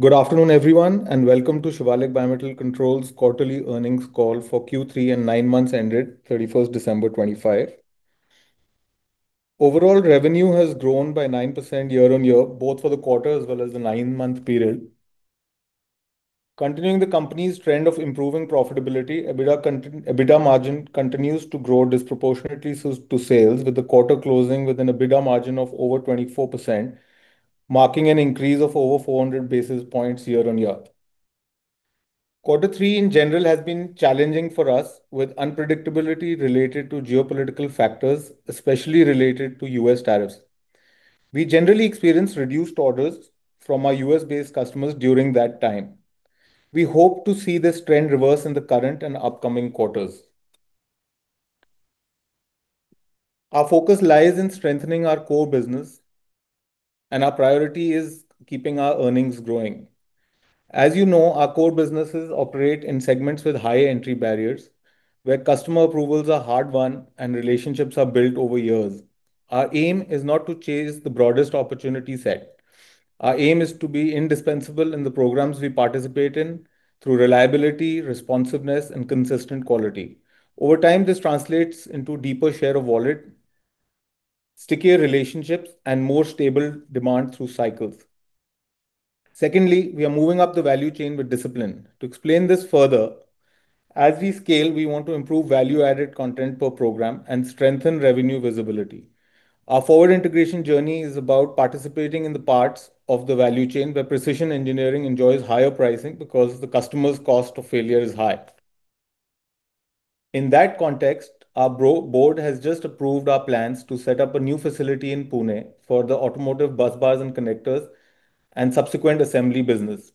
Good afternoon, everyone, and welcome to Shivalik Bimetal Controls' Quarterly Earnings Call for Q3 and 9 months ended 31st December 2025. Overall revenue has grown by 9% year on year, both for the quarter as well as the 9-month period. Continuing the company's trend of improving profitability, EBITDA margin continues to grow disproportionately to sales, with the quarter closing with an EBITDA margin of over 24%, marking an increase of over 400 basis points year on year. Q3, in general, has been challenging for us with unpredictability related to geopolitical factors, especially related to U.S. tariffs. We generally experienced reduced orders from our U.S.-based customers during that time. We hope to see this trend reverse in the current and upcoming quarters. Our focus lies in strengthening our core business, and our priority is keeping our earnings growing. As you know, our core businesses operate in segments with high entry barriers, where customer approvals are a hard one and relationships are built over years. Our aim is not to chase the broadest opportunity set. Our aim is to be indispensable in the programs we participate in through reliability, responsiveness, and consistent quality. Over time, this translates into a deeper share of wallet, stickier relationships, and more stable demand through cycles. Secondly, we are moving up the value chain with discipline. To explain this further, as we scale, we want to improve value-added content per program and strengthen revenue visibility. Our forward integration journey is about participating in the parts of the value chain where precision engineering enjoys higher pricing because the customer's cost of failure is high. In that context, our Board has just approved our plans to set up a new facility in Pune for the automotive busbars and connectors and subsequent assembly business.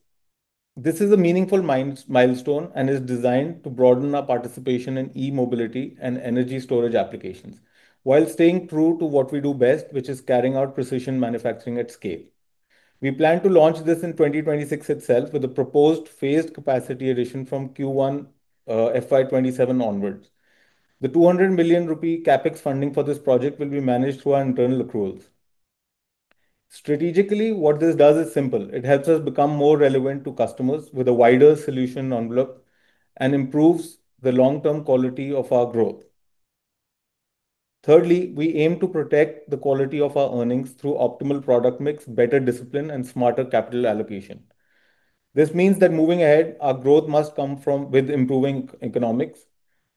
This is a meaningful milestone and is designed to broaden our participation in e-mobility and energy storage applications, while staying true to what we do best, which is carrying out precision manufacturing at scale. We plan to launch this in 2026 itself with a proposed phased capacity addition from Q1, FY 2027 onwards. The 200 million rupee CapEx funding for this project will be managed through our internal accruals. Strategically, what this does is simple. It helps us become more relevant to customers with a wider solution envelope and improves the long-term quality of our growth. Thirdly, we aim to protect the quality of our earnings through optimal product mix, better discipline, and smarter capital allocation. This means that moving ahead, our growth must come from with improving economics.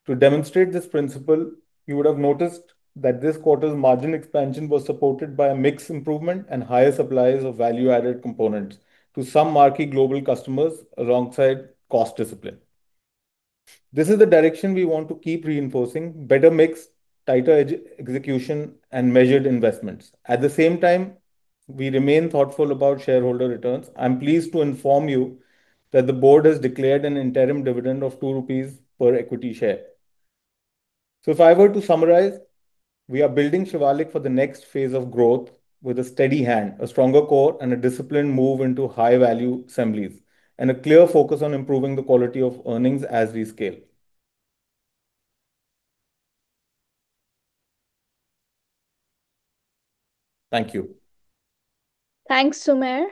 To demonstrate this principle, you would have noticed that this quarter's margin expansion was supported by a mix improvement and higher supplies of value-added components to some marquee global customers alongside cost discipline. This is the direction we want to keep reinforcing: better mix, tighter hedge execution, and measured investments. At the same time, we remain thoughtful about shareholder returns. I'm pleased to inform you that the board has declared an interim dividend of 2 rupees per equity share. So if I were to summarize, we are building Shivalik for the next phase of growth with a steady hand, a stronger core, and a disciplined move into high-value assemblies, and a clear focus on improving the quality of earnings as we scale. Thank you. Thanks, Sumer.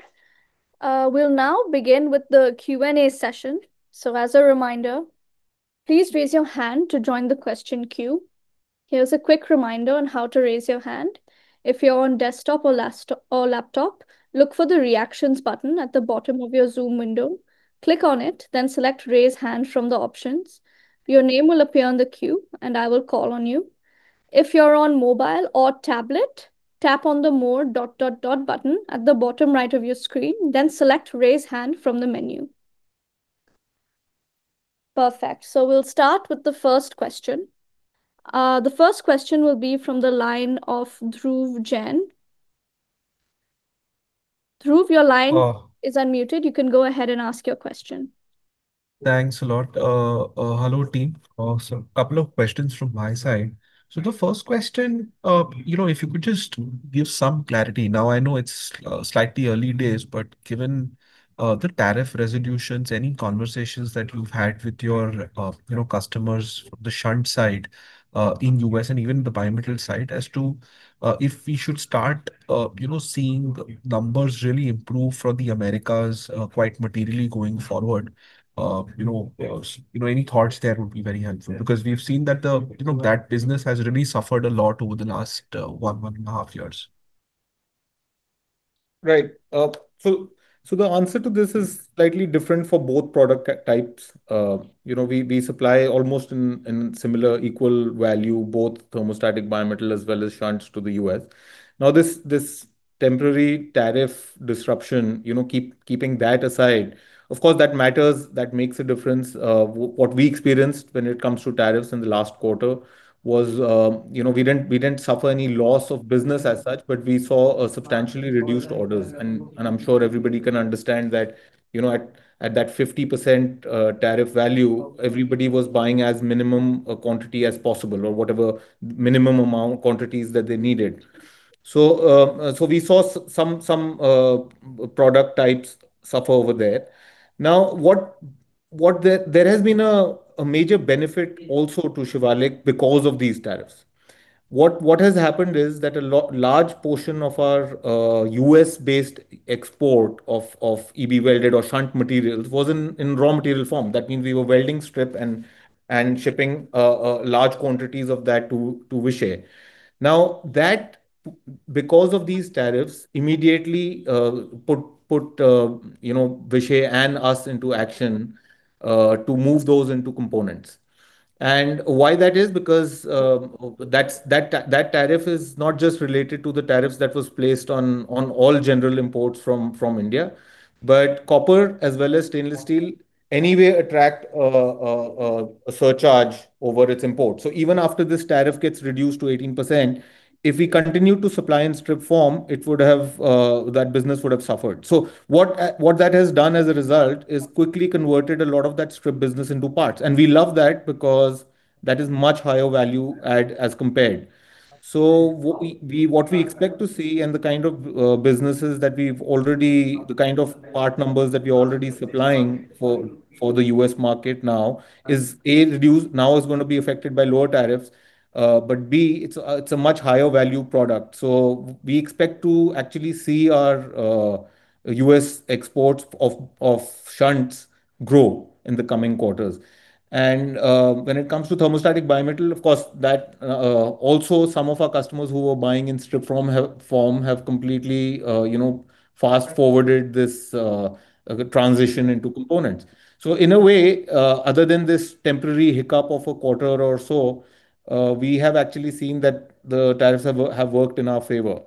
We'll now begin with the Q&A session. So as a reminder, please raise your hand to join the question queue. Here's a quick reminder on how to raise your hand. If you're on desktop or laptop, look for the reactions button at the bottom of your Zoom window. Click on it, then select "Raise Hand" from the options. Your name will appear on the queue, and I will call on you. If you're on mobile or tablet, tap on the "More dot dot dot" button at the bottom right of your screen, then select "Raise Hand" from the menu. Perfect. So we'll start with the first question. The first question will be from the line of Dhruv Jain. Dhruv, your line is unmuted. You can go ahead and ask your question. Thanks a lot. Hello, team. A couple of questions from my side. The first question, you know, if you could just give some clarity. Now, I know it's slightly early days, but given the tariff resolutions, any conversations that you've had with your, you know, customers from the shunt side, in U.S. and even the bimetal side as to if we should start, you know, seeing numbers really improve for the Americas, quite materially going forward, you know, you know, any thoughts there would be very helpful because we've seen that the, you know, that business has really suffered a lot over the last 1.5 years. Right. So, so the answer to this is slightly different for both product types. You know, we, we supply almost in, in similar, equal value, both thermostatic bimetal as well as shunts to the U.S. Now, this, this temporary tariff disruption, you know, keeping that aside, of course, that matters. That makes a difference. What we experienced when it comes to tariffs in the last quarter was, you know, we didn't, we didn't suffer any loss of business as such, but we saw substantially reduced orders. And, and I'm sure everybody can understand that, you know, at, at that 50% tariff value, everybody was buying as minimum a quantity as possible or whatever minimum amount quantities that they needed. So, so we saw some, some product types suffer over there. Now, what, what there there has been a, a major benefit also to Shivalik because of these tariffs. What has happened is that a large portion of our U.S.-based export of EB welded shunt materials was in raw material form. That means we were welding strip and shipping large quantities of that to Vishay. Now, that, because of these tariffs, immediately put, you know, Vishay and us into action to move those into components. And why is that? Because that tariff is not just related to the tariffs that was placed on all general imports from India, but copper as well as stainless steel anyway attract a surcharge over its import. So even after this tariff gets reduced to 18%, if we continue to supply in strip form, that business would have suffered. So what that has done as a result is quickly converted a lot of that strip business into parts. We love that because that is much higher value add as compared. So, what we expect to see and the kind of businesses that we've already the kind of part numbers that we're already supplying for the U.S. market now is A, reduced now is going to be affected by lower tariffs, but B, it's a much higher value product. So we expect to actually see our U.S. exports of shunts grow in the coming quarters. When it comes to thermostatic bimetal, of course, that also some of our customers who were buying in strip form have completely, you know, fast-forwarded this transition into components. So in a way, other than this temporary hiccup of a quarter or so, we have actually seen that the tariffs have worked in our favor.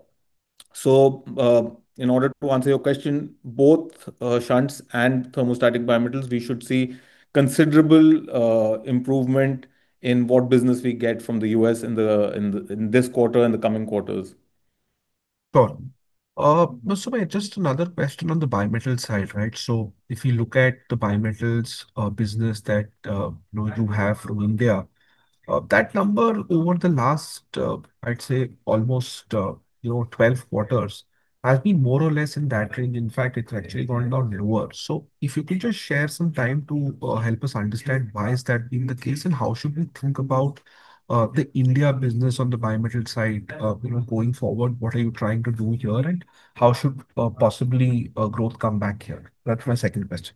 In order to answer your question, both shunts and thermostatic bimetals, we should see considerable improvement in what business we get from the U.S. in this quarter and the coming quarters. Sure. Mr. May, just another question on the bimetal side, right? So if you look at the bimetals business that, you know, you have from India, that number over the last, I'd say almost, you know, 12 quarters has been more or less in that range. In fact, it's actually gone down lower. So if you could just share some time to help us understand why has that been the case and how should we think about the India business on the bimetal side, you know, going forward, what are you trying to do here, and how should possibly growth come back here? That's my second question.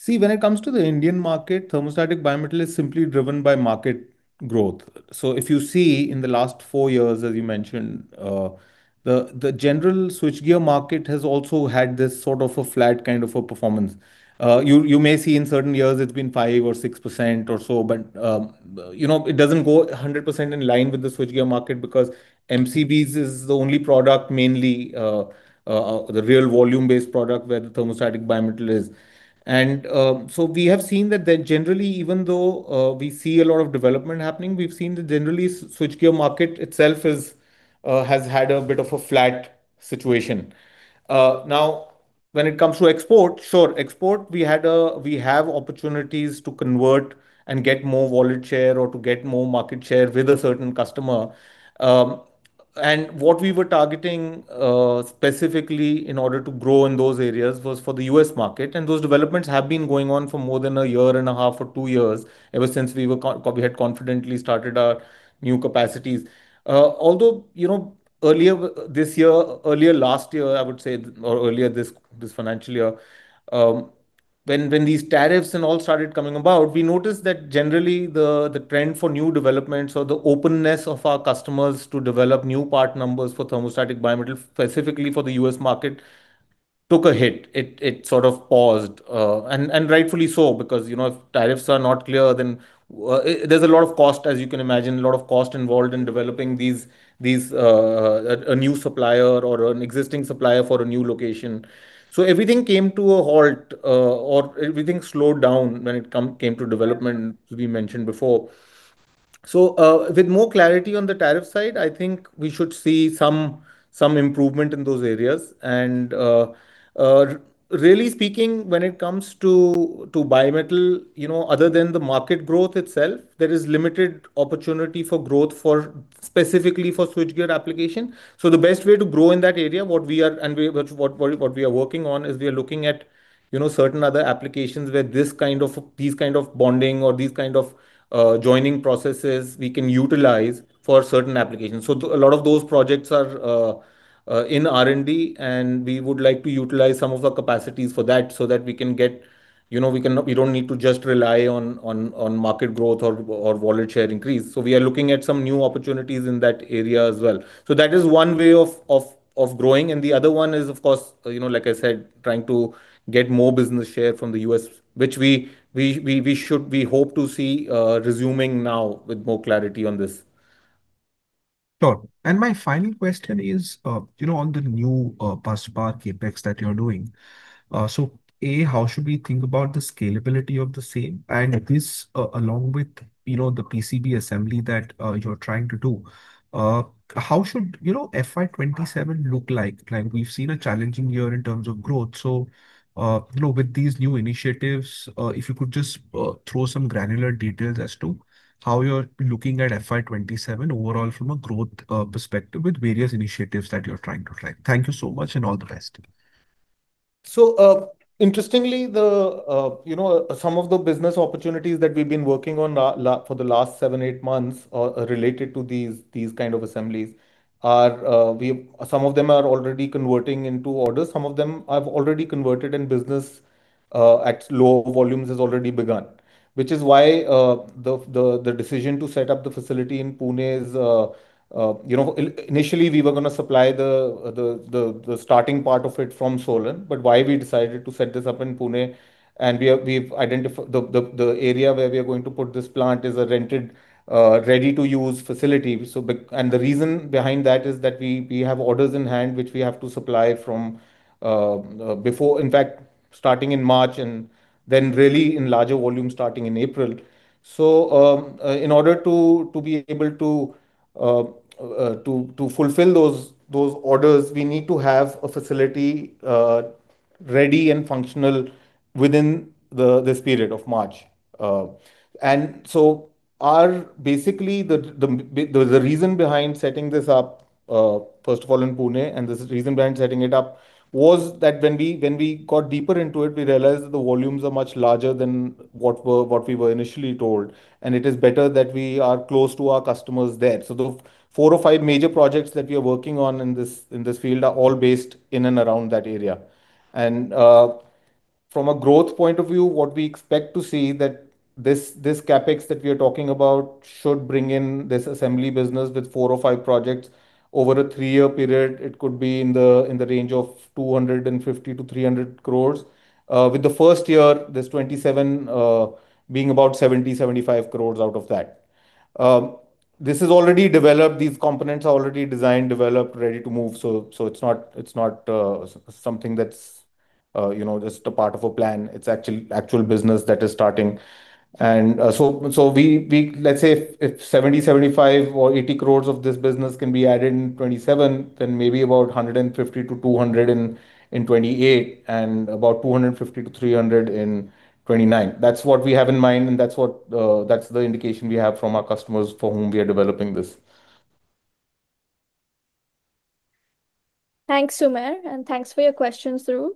See, when it comes to the Indian market, thermostatic bimetal is simply driven by market growth. So if you see in the last four years, as you mentioned, the general switchgear market has also had this sort of a flat kind of a performance. You may see in certain years it's been 5% or 6% or so, but, you know, it doesn't go 100% in line with the switchgear market because MCBs is the only product mainly, the real volume-based product where the thermostatic bimetal is. And, so we have seen that there generally, even though, we see a lot of development happening, we've seen that generally switchgear market itself is, has had a bit of a flat situation. Now, when it comes to export, sure, export, we have opportunities to convert and get more wallet share or to get more market share with a certain customer. And what we were targeting, specifically in order to grow in those areas, was for the U.S. market, and those developments have been going on for more than a year and a half or two years ever since we had confidently started our new capacities. Although, you know, earlier this year, earlier last year, I would say, or earlier this financial year, when these tariffs and all started coming about, we noticed that generally the trend for new developments or the openness of our customers to develop new part numbers for thermostatic bimetal, specifically for the U.S. market, took a hit. It sort of paused, and rightfully so because, you know, if tariffs are not clear, then there's a lot of cost, as you can imagine, a lot of cost involved in developing these, a new supplier or an existing supplier for a new location. So everything came to a halt, or everything slowed down when it came to development, as we mentioned before. So, with more clarity on the tariff side, I think we should see some improvement in those areas. And, really speaking, when it comes to bimetal, you know, other than the market growth itself, there is limited opportunity for growth specifically for switchgear application. So the best way to grow in that area, what we are working on is we are looking at, you know, certain other applications where this kind of bonding or these kind of joining processes we can utilize for certain applications. So a lot of those projects are in R&D, and we would like to utilize some of our capacities for that so that we can get, you know, we don't need to just rely on market growth or wallet share increase. So we are looking at some new opportunities in that area as well. So that is one way of growing. The other one is, of course, you know, like I said, trying to get more business share from the US, which we should, we hope, to see, resuming now with more clarity on this. Sure. And my final question is, you know, on the new busbar CapEx that you're doing. So, A, how should we think about the scalability of the same? And this, along with, you know, the PCB assembly that you're trying to do, how should, you know, FY 2027 look like? Like, we've seen a challenging year in terms of growth. So, you know, with these new initiatives, if you could just throw some granular details as to how you're looking at FY 2027 overall from a growth perspective with various initiatives that you're trying to track. Thank you so much and all the best. So, interestingly, you know, some of the business opportunities that we've been working on for the last 7-8 months, related to these kind of assemblies are, some of them are already converting into orders. Some of them have already converted in business, at low volumes has already begun, which is why the decision to set up the facility in Pune is, you know, initially we were going to supply the starting part of it from Solan. But why we decided to set this up in Pune and we've identified the area where we are going to put this plant is a rented, ready-to-use facility. So, the reason behind that is that we have orders in hand which we have to supply from, before, in fact, starting in March and then really in larger volume starting in April. So, in order to be able to fulfill those orders, we need to have a facility ready and functional within this period of March. And so basically the reason behind setting this up, first of all in Pune, and this is the reason behind setting it up, was that when we got deeper into it, we realized that the volumes are much larger than what we were initially told. And it is better that we are close to our customers there. So the four or five major projects that we are working on in this field are all based in and around that area. From a growth point of view, what we expect to see that this CapEx that we are talking about should bring in this assembly business with four or five projects over a three-year period, it could be in the range of 250-300 crores with the first year, this 2027, being about 70-75 crores out of that. This is already developed. These components are already designed, developed, ready to move. So it's not something that's, you know, just a part of a plan. It's actually actual business that is starting. So, let's say if 70, 75 or 80 crore of this business can be added in 2027, then maybe about 150-200 crore in 2028 and about 250-300 crore in 2029. That's what we have in mind, and that's the indication we have from our customers for whom we are developing this. Thanks, Sumer, and thanks for your questions, Dhruv.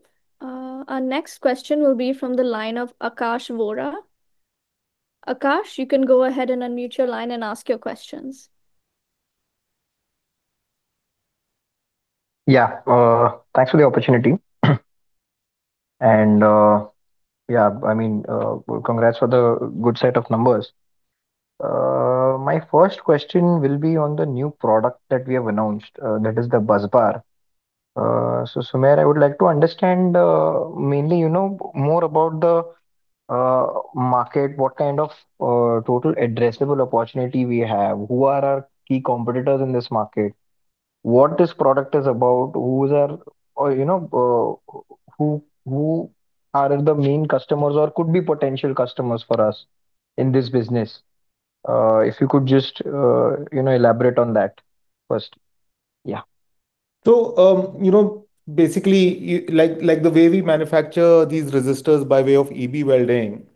Our next question will be from the line of Akash Vora. Akash, you can go ahead and unmute your line and ask your questions. Yeah, thanks for the opportunity. And, yeah, I mean, congrats for the good set of numbers. My first question will be on the new product that we have announced, that is the bus bar. So, Sumer, I would like to understand, mainly, you know, more about the, market, what kind of, total addressable opportunity we have, who are our key competitors in this market, what this product is about, who's our, you know, who, who are the main customers or could be potential customers for us in this business. If you could just, you know, elaborate on that first. Yeah. So, you know, basically, like the way we manufacture these resistors by way of EB welding,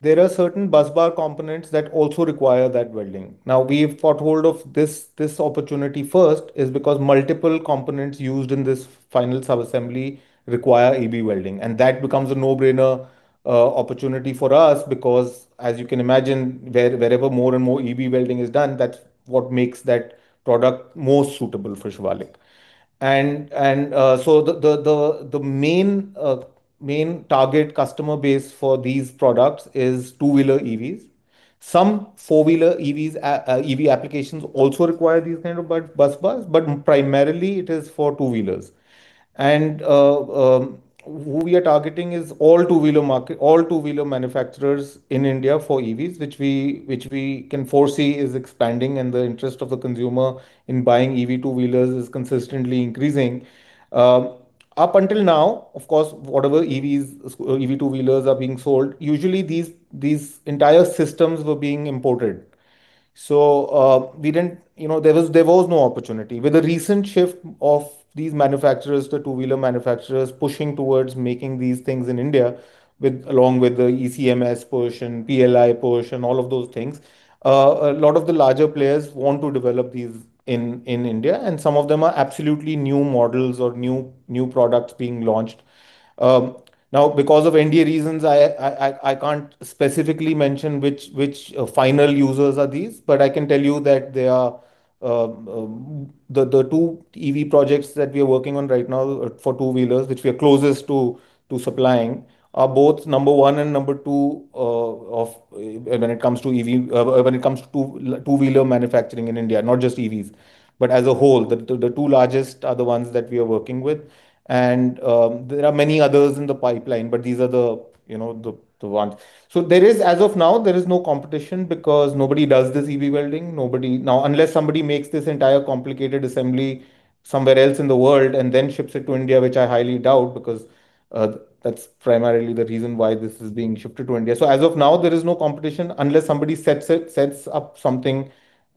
there are certain bus bar components that also require that welding. Now, we've got hold of this opportunity first is because multiple components used in this final subassembly require EB welding. And that becomes a no-brainer opportunity for us because, as you can imagine, wherever more and more EB welding is done, that's what makes that product most suitable for Shivalik. And so the main target customer base for these products is two-wheeler EVs. Some four-wheeler EVs, EV applications also require these kind of bus bars, but primarily it is for two-wheelers. Who we are targeting is all two-wheeler market all two-wheeler manufacturers in India for EVs, which we can foresee is expanding and the interest of the consumer in buying EV two-wheelers is consistently increasing. Up until now, of course, whatever EV two-wheelers are being sold, usually these entire systems were being imported. So, we didn't, you know, there was no opportunity. With a recent shift of these manufacturers, the two-wheeler manufacturers pushing towards making these things in India, along with the ECMS portion, PLI portion, all of those things, a lot of the larger players want to develop these in India, and some of them are absolutely new models or new products being launched. Now, because of NDA reasons, I can't specifically mention which final users are these, but I can tell you that they are the two EV projects that we are working on right now for two-wheelers, which we are closest to supplying, are both number one and number two, of when it comes to EV, when it comes to two-wheeler manufacturing in India, not just EVs, but as a whole. The two largest are the ones that we are working with. And, there are many others in the pipeline, but these are the, you know, the ones. So there is as of now no competition because nobody does this EV welding. Nobody now, unless somebody makes this entire complicated assembly somewhere else in the world and then ships it to India, which I highly doubt because that's primarily the reason why this is being shifted to India. So as of now, there is no competition unless somebody sets up something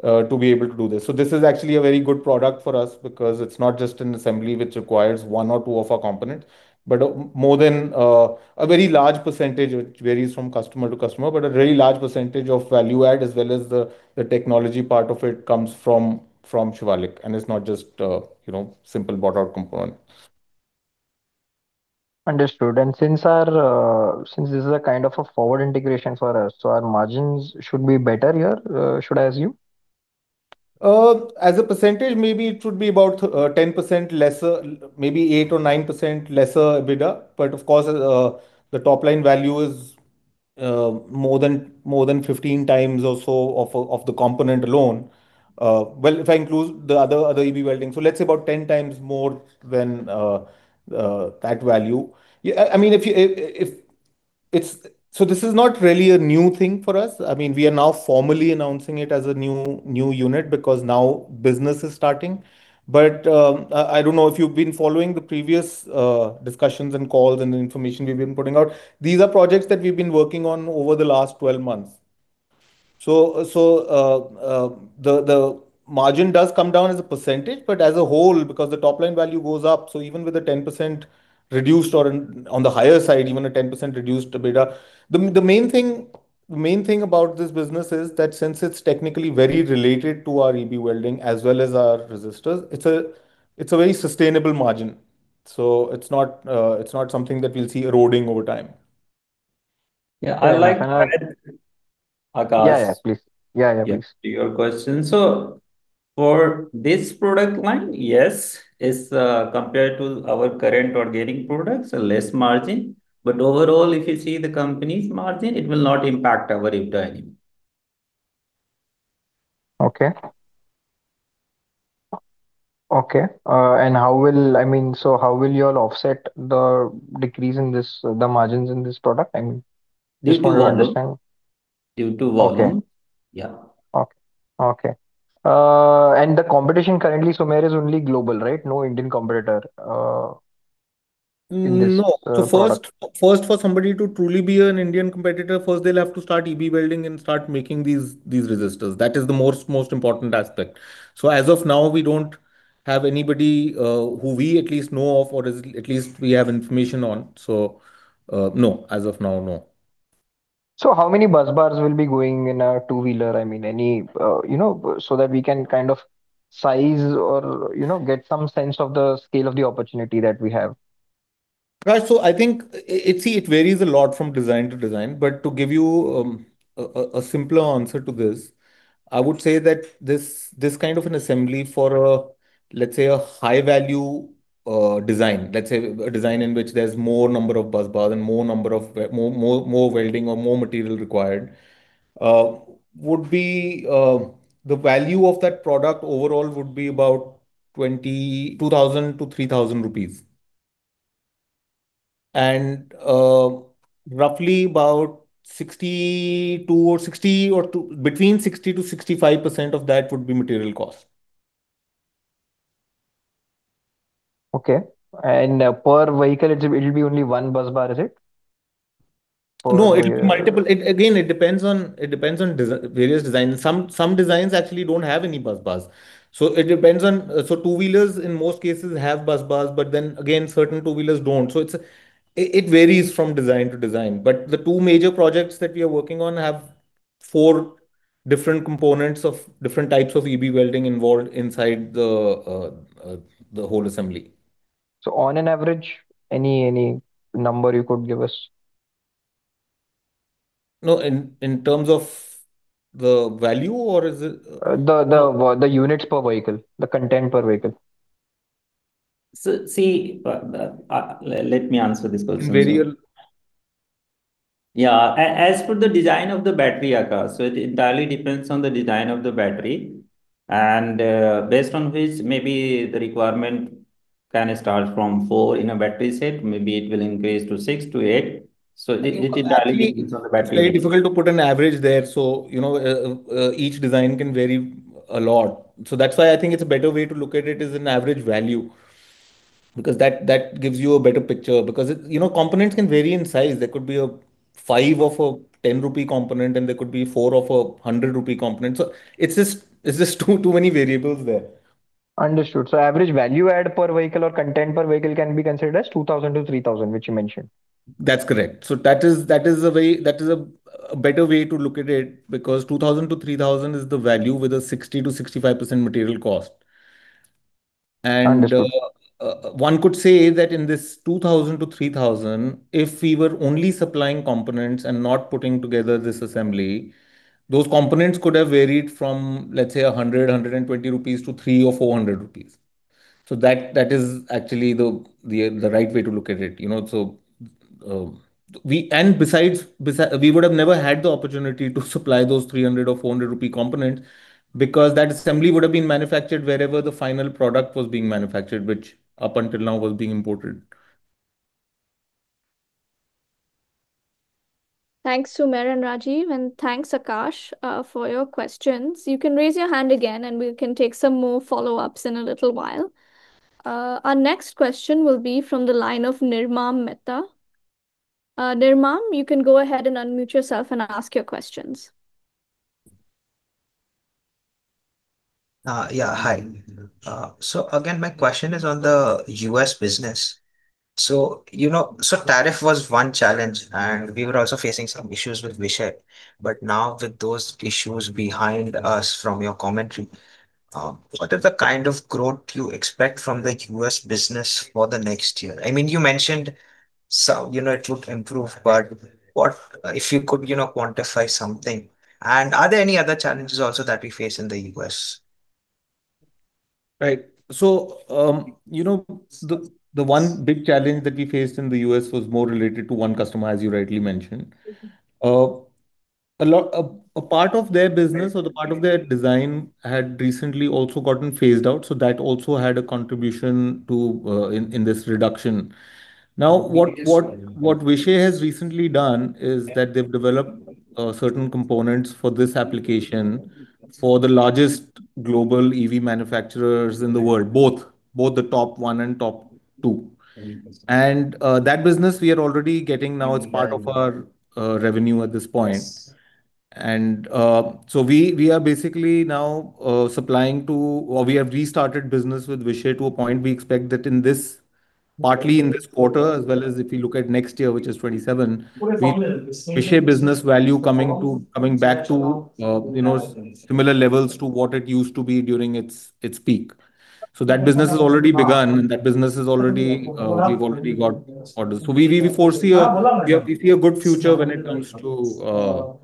to be able to do this. So this is actually a very good product for us because it's not just an assembly which requires one or two of our components, but more than a very large percentage, which varies from customer to customer, but a really large percentage of value add as well as the technology part of it comes from Shivalik. And it's not just, you know, simple bought-out component. Understood. And since this is a kind of a forward integration for us, so our margins should be better here, should I assume? As a percentage, maybe it should be about 10% lesser, maybe 8%-9% lesser EBITDA. But of course, the top-line value is more than more than 15 times or so of the component alone. Well, if I include the other other EB welding, so let's say about 10 times more than that value. I mean, if you if it's so this is not really a new thing for us. I mean, we are now formally announcing it as a new new unit because now business is starting. But I don't know if you've been following the previous discussions and calls and the information we've been putting out. These are projects that we've been working on over the last 12 months. So, the margin does come down as a percentage, but as a whole, because the top-line value goes up, so even with a 10% reduced or on the higher side, even a 10% reduced EBITDA, the main thing about this business is that since it's technically very related to our EB welding as well as our resistors, it's a very sustainable margin. So it's not something that we'll see eroding over time. Yeah, I'd like to add Akash. Yeah, yeah, please. Yeah, yeah, please. To your question. So for this product line, yes, it's, compared to our current ongoing products, a less margin. But overall, if you see the company's margin, it will not impact our EBITDA anymore. Okay. Okay. And how will—I mean, so how will you all offset the decrease in the margins in this product? I mean, just want to understand. Due to volume? Yeah. Okay. Okay. The competition currently, Sumer, is only global, right? No Indian competitor in this? No, so first, for somebody to truly be an Indian competitor, first they'll have to start EB welding and start making these resistors. That is the most important aspect. So as of now, we don't have anybody who we at least know of or at least we have information on. So, no, as of now, no. So how many busbars will be going in a two-wheeler? I mean, any, you know, so that we can kind of size or, you know, get some sense of the scale of the opportunity that we have? Guys, so I think, see, it varies a lot from design to design. But to give you a simpler answer to this, I would say that this kind of an assembly for a, let's say, a high-value design, let's say a design in which there's more number of bus bars and more welding or more material required, would be the value of that product overall would be about 2,000-3,000 rupees. And, roughly about 62% or 60% or between 60%-65% of that would be material cost. Okay. And per vehicle, it'll be only one bus bar, is it? No, it's multiple. It again, it depends on design, various designs. Some designs actually don't have any bus bars. So it depends on two-wheelers in most cases have bus bars, but then again, certain two-wheelers don't. So it varies from design to design. But the two major projects that we are working on have four different components of different types of EB welding involved inside the whole assembly. On an average, any number you could give us? No, in terms of the value or is it? The units per vehicle, the content per vehicle. So, see, let me answer this question. Varial. Yeah, as for the design of the battery, Akash, so it entirely depends on the design of the battery. Based on which maybe the requirement can start from 4 in a battery set, maybe it will increase to 6-8. It entirely depends on the battery. It's very difficult to put an average there. So, you know, each design can vary a lot. So that's why I think it's a better way to look at it is an average value. Because that, that gives you a better picture. Because it, you know, components can vary in size. There could be 5 of a 10 rupee component, and there could be 4 of a 100 rupee component. So it's just it's just too, too many variables there. Understood. So average value add per vehicle or content per vehicle can be considered as 2,000-3,000, which you mentioned. That's correct. So that is a better way to look at it because 2,000-3,000 is the value with a 60%-65% material cost. And one could say that in this 2,000-3,000, if we were only supplying components and not putting together this assembly, those components could have varied from, let's say, 100, 120 rupees to 300 or 400 rupees. So that is actually the right way to look at it, you know. So, besides, we would have never had the opportunity to supply those 300 or 400 rupee components because that assembly would have been manufactured wherever the final product was being manufactured, which up until now was being imported. Thanks, Sumer and Rajeev, and thanks, Akash, for your questions. You can raise your hand again, and we can take some more follow-ups in a little while. Our next question will be from the line of Nirmam Mehta. Nirmam, you can go ahead and unmute yourself and ask your questions. Yeah, hi. So again, my question is on the U.S. business. So, you know, so tariff was one challenge, and we were also facing some issues with Vishay. But now with those issues behind us from your commentary, what is the kind of growth you expect from the U.S. business for the next year? I mean, you mentioned some, you know, it would improve, but what if you could, you know, quantify something? And are there any other challenges also that we face in the U.S.? Right. So, you know, the one big challenge that we faced in the US was more related to one customer, as you rightly mentioned. A lot, a part of their business or the part of their design had recently also gotten phased out, so that also had a contribution to, in, in this reduction. Now, what Vishay has recently done is that they've developed certain components for this application for the largest global EV manufacturers in the world, both the top one and top two. And, that business we are already getting now it's part of our revenue at this point. So we are basically now supplying to or we have restarted business with Vishay to a point. We expect that in this, partly in this quarter as well as if we look at next year, which is 2027, Vishay business value coming back to, you know, similar levels to what it used to be during its peak. So that business has already begun, and we've already got orders. So we see a good future when it comes to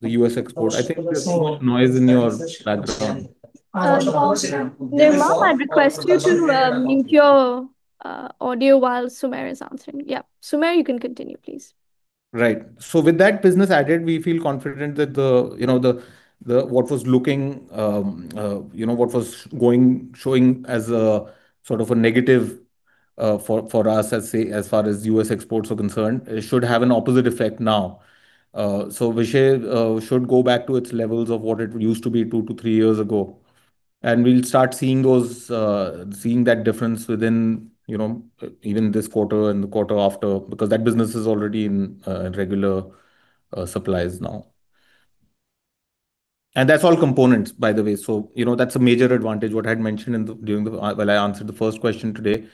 the US export. I think there's too much noise in your background. Nirmam, I'd request you to mute your audio while Sumer is answering. Yeah, Sumer, you can continue, please. Right. So with that business added, we feel confident that the, you know, the, the what was looking, you know, what was going showing as a sort of a negative, for, for us, let's say, as far as U.S. exports are concerned, it should have an opposite effect now. So Vishay should go back to its levels of what it used to be 2-3 years ago. And we'll start seeing those, seeing that difference within, you know, even this quarter and the quarter after because that business is already in, in regular, supplies now. And that's all components, by the way. So, you know, that's a major advantage, what I had mentioned in the during the while I answered the first question today.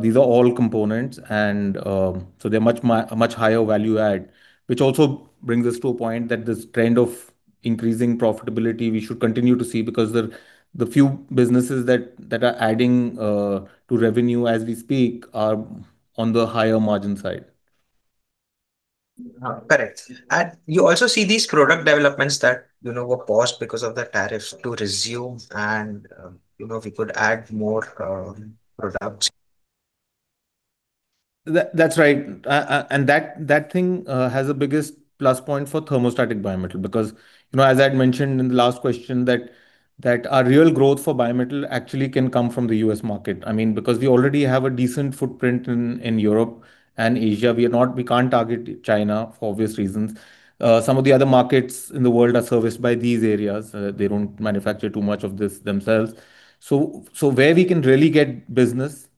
These are all components, and so they're much higher value add, which also brings us to a point that this trend of increasing profitability we should continue to see because the few businesses that are adding to revenue as we speak are on the higher margin side. Correct. And you also see these product developments that, you know, were paused because of the tariff. To resume and, you know, we could add more products. That's right. And that thing has the biggest plus point for thermostatic bimetal because, you know, as I had mentioned in the last question, that our real growth for bimetal actually can come from the U.S. market. I mean, because we already have a decent footprint in Europe and Asia. We're not, we can't target China for obvious reasons. Some of the other markets in the world are serviced by these areas. They don't manufacture too much of this themselves. So where we can really get business,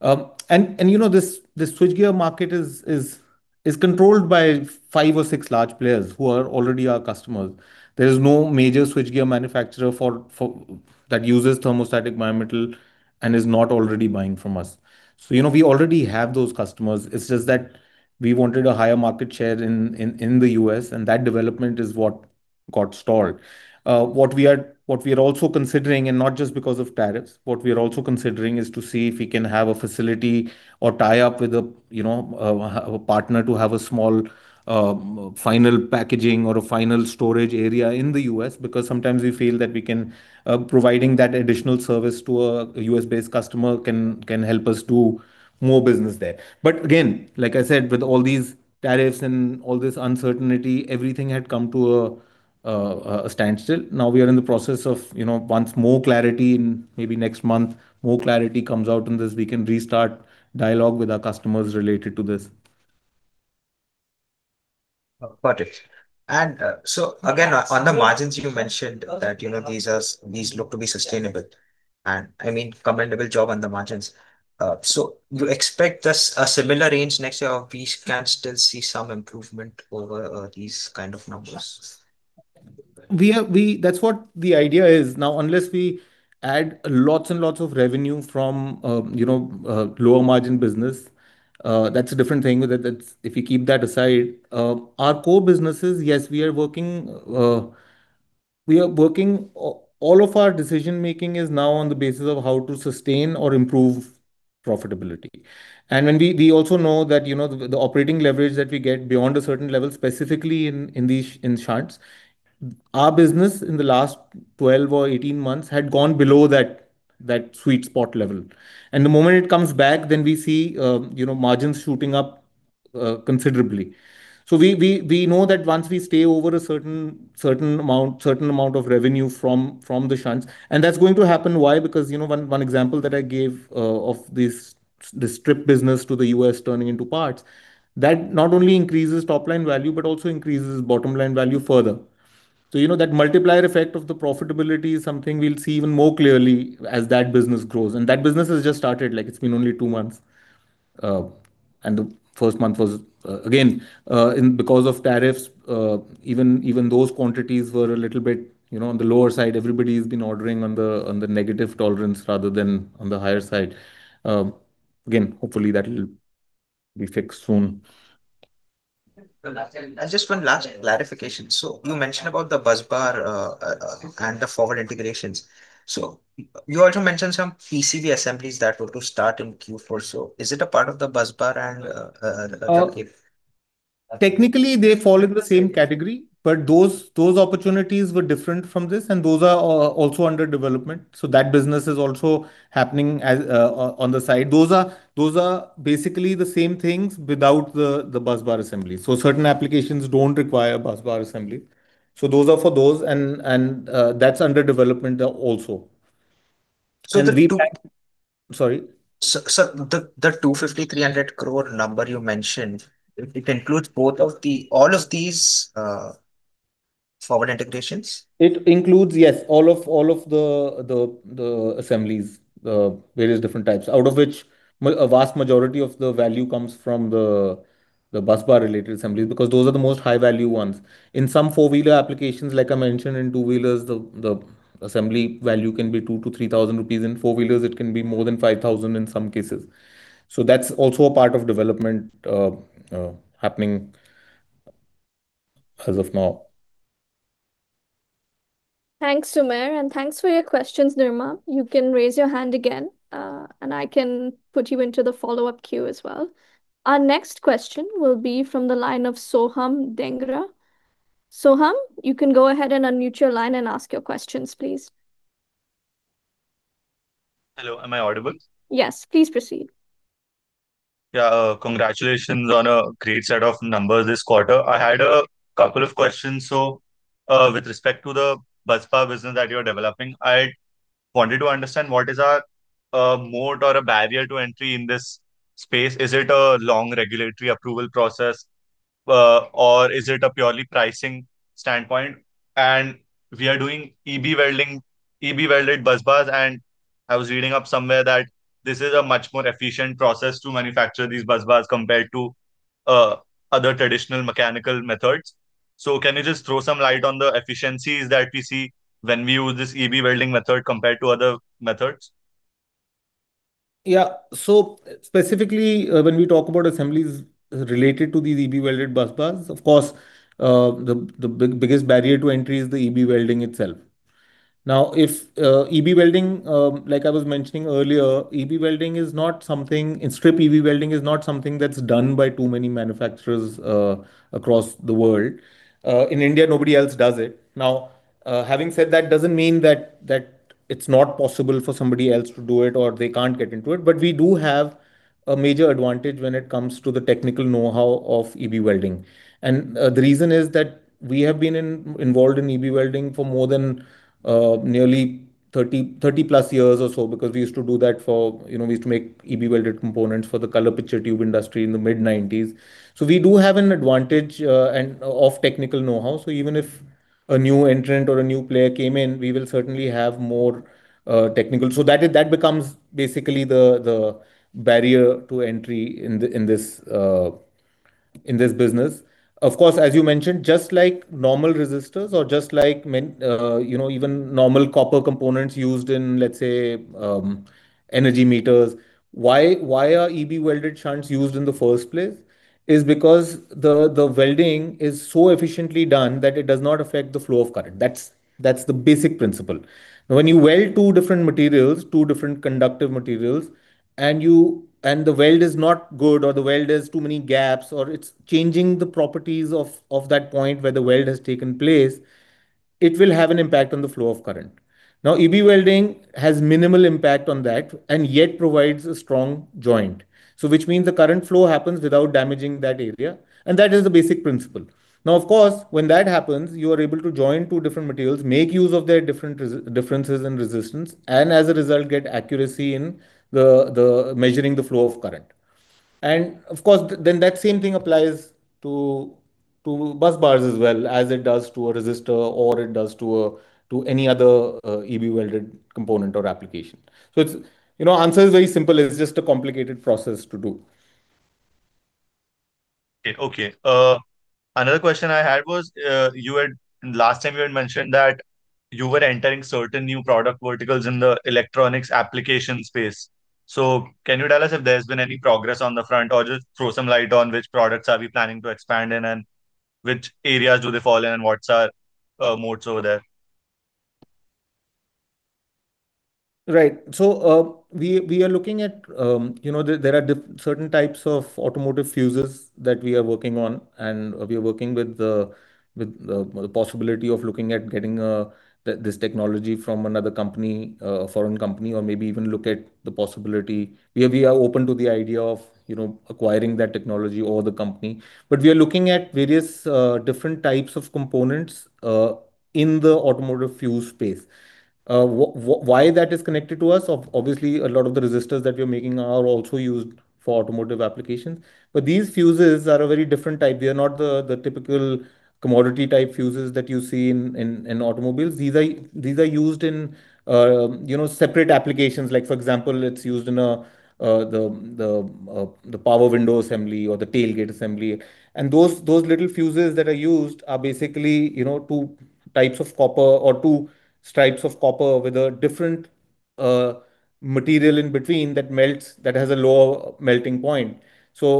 and you know, this switchgear market is controlled by five or six large players who are already our customers. There is no major switchgear manufacturer that uses thermostatic bimetal and is not already buying from us. So, you know, we already have those customers. It's just that we wanted a higher market share in the U.S., and that development is what got stalled. What we are also considering, and not just because of tariffs, is to see if we can have a facility or tie up with a, you know, a partner to have a small, final packaging or a final storage area in the U.S. because sometimes we feel that providing that additional service to a U.S.-based customer can help us do more business there. But again, like I said, with all these tariffs and all this uncertainty, everything had come to a standstill. Now we are in the process of, you know, once more clarity in maybe next month, more clarity comes out on this, we can restart dialogue with our customers related to this. Got it. And so again, on the margins, you mentioned that, you know, these are these look to be sustainable. And I mean, commendable job on the margins. So you expect us a similar range next year, or we can still see some improvement over these kind of numbers? We are, that's what the idea is now, unless we add lots and lots of revenue from, you know, lower-margin business. That's a different thing with it. That's if we keep that aside, our core businesses, yes, we are working. All of our decision-making is now on the basis of how to sustain or improve profitability. And we also know that, you know, the operating leverage that we get beyond a certain level, specifically in these shunts, our business in the last 12 or 18 months had gone below that sweet spot level. And the moment it comes back, then we see, you know, margins shooting up, considerably. So we know that once we stay over a certain amount of revenue from the shunts, and that's going to happen. Why? Because, you know, 1, 1 example that I gave, of this this strip business to the U.S. turning into parts, that not only increases top-line value, but also increases bottom-line value further. So, you know, that multiplier effect of the profitability is something we'll see even more clearly as that business grows. And that business has just started, like, it's been only 2 months. And the first month was, again, in because of tariffs, even, even those quantities were a little bit, you know, on the lower side. Everybody's been ordering on the on the negative tolerance rather than on the higher side. Again, hopefully, that will be fixed soon. Just one last clarification. So you mentioned about the busbar and the forward integrations. So you also mentioned some PCB assemblies that were to start in Q4. So is it a part of the busbar and the CapEx? Technically, they fall in the same category, but those opportunities were different from this, and those are also under development. So that business is also happening as on the side. Those are basically the same things without the busbar assembly. So certain applications don't require busbar assemblies. So those are for those, and that's under development also. And we do sorry? So, the 250 crore-300 crore number you mentioned, it includes both of the all of these, forward integrations? It includes, yes, all of the assemblies, the various different types, out of which a vast majority of the value comes from the busbar-related assemblies because those are the most high-value ones. In some four-wheeler applications, like I mentioned, in two-wheelers, the assembly value can be 2,000-3,000 rupees. In four-wheelers, it can be more than 5,000 in some cases. So that's also a part of development, happening as of now. Thanks, Sumer, and thanks for your questions, Nirmam. You can raise your hand again, and I can put you into the follow-up queue as well. Our next question will be from the line of Soham Dangra. Soham, you can go ahead and unmute your line and ask your questions, please. Hello. Am I audible? Yes. Please proceed. Yeah, congratulations on a great set of numbers this quarter. I had a couple of questions. So, with respect to the busbar business that you're developing, I wanted to understand what our moat or a barrier to entry is in this space. Is it a long regulatory approval process, or is it a purely pricing standpoint? And we are doing EB welding, EB welded busbars, and I was reading up somewhere that this is a much more efficient process to manufacture these busbars compared to other traditional mechanical methods. So can you just throw some light on the efficiencies that we see when we use this EB welding method compared to other methods? Yeah. So specifically, when we talk about assemblies related to these EB welded busbars, of course, the biggest barrier to entry is the EB welding itself. Now, EB welding, like I was mentioning earlier, EB welding is not something in strip EB welding is not something that's done by too many manufacturers across the world. In India, nobody else does it. Now, having said that, doesn't mean that it's not possible for somebody else to do it or they can't get into it. But we do have a major advantage when it comes to the technical know-how of EB welding. And, the reason is that we have been involved in EB welding for more than nearly 30, 30+ years or so because we used to do that for, you know, we used to make EB welded components for the color picture tube industry in the mid-1990s. So we do have an advantage, and of technical know-how. So even if a new entrant or a new player came in, we will certainly have more technical so that it becomes basically the barrier to entry in this business. Of course, as you mentioned, just like normal resistors or just like men, you know, even normal copper components used in, let's say, energy meters, why are EB welded shunts used in the first place is because the welding is so efficiently done that it does not affect the flow of current. That's the basic principle. When you weld two different materials, two different conductive materials, and the weld is not good or the weld has too many gaps or it's changing the properties of that point where the weld has taken place, it will have an impact on the flow of current. Now, EB welding has minimal impact on that and yet provides a strong joint, so which means the current flow happens without damaging that area. That is the basic principle. Now, of course, when that happens, you are able to join two different materials, make use of their different res differences in resistance, and as a result, get accuracy in the measuring the flow of current. And of course, then that same thing applies to bus bars as well as it does to a resistor or it does to any other EB welded component or application. So it's, you know, answer is very simple. It's just a complicated process to do. Okay. Okay. Another question I had was, you had last time, you had mentioned that you were entering certain new product verticals in the electronics application space. So can you tell us if there's been any progress on the front or just throw some light on which products are we planning to expand in and which areas do they fall in and what's our moats over there? Right. So, we are looking at, you know, there are different certain types of automotive fuses that we are working on, and we are working with the possibility of looking at getting this technology from another company, foreign company, or maybe even look at the possibility we are open to the idea of, you know, acquiring that technology or the company. But we are looking at various different types of components in the automotive fuse space. Why that is connected to us, obviously, a lot of the resistors that we are making are also used for automotive applications. But these fuses are a very different type. They are not the typical commodity-type fuses that you see in automobiles. These are used in, you know, separate applications. Like, for example, it's used in the power window assembly or the tailgate assembly. And those little fuses that are used are basically, you know, two strips of copper with a different material in between that melts that has a lower melting point. So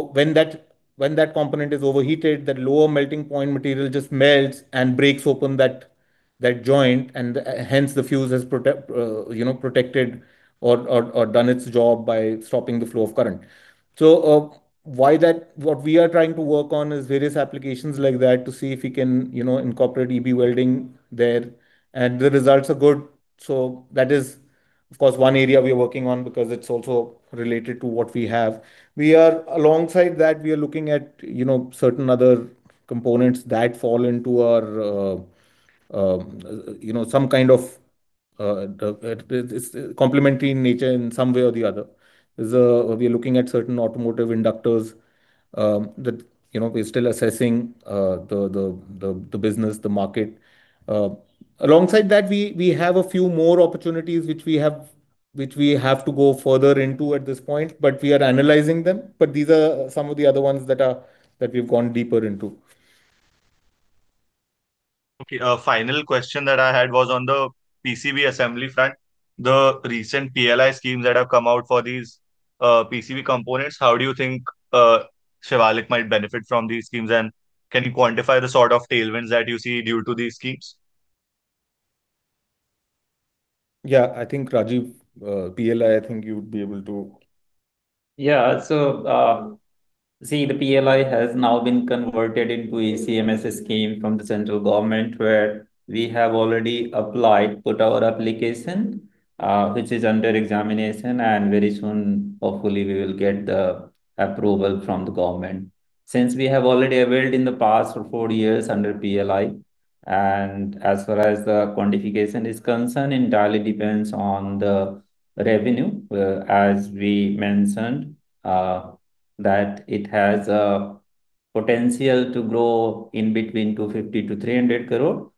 when that component is overheated, that lower melting point material just melts and breaks open that joint, and hence, the fuse has protected, you know, done its job by stopping the flow of current. So, what we are trying to work on is various applications like that to see if we can, you know, incorporate EB welding there. And the results are good. So that is, of course, one area we are working on because it's also related to what we have. We are alongside that, we are looking at, you know, certain other components that fall into our, you know, some kind of, it's complementary in nature in some way or the other. We are looking at certain automotive inductors, that, you know, we're still assessing, the business, the market. Alongside that, we have a few more opportunities which we have to go further into at this point, but we are analyzing them. But these are some of the other ones that we've gone deeper into. Okay. A final question that I had was on the PCB assembly front. The recent PLI schemes that have come out for these, PCB components, how do you think, Shivalik might benefit from these schemes? And can you quantify the sort of tailwinds that you see due to these schemes? Yeah. I think Rajeev, PLI, I think you would be able to. Yeah. So, see, the PLI has now been converted into a CMSA scheme from the central government where we have already applied, put our application, which is under examination, and very soon, hopefully, we will get the approval from the government. Since we have already welded in the past for four years under PLI, and as far as the quantification is concerned, entirely depends on the revenue, as we mentioned, that it has a potential to grow in between 250 crore-300 crore.